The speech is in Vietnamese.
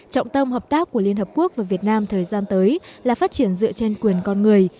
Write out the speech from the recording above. trọng tâm hợp tác của liên hợp quốc và việt nam thời gian tới là phát triển dựa trên quyền con người